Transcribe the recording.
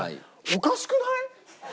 おかしくない？